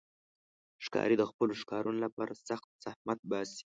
ښکاري د خپلو ښکارونو لپاره سخت زحمت باسي.